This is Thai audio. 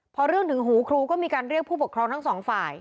พอเรื่องถึงหูครูก็มีการเรียกผู้ปกครองทั้งสองฝ่าย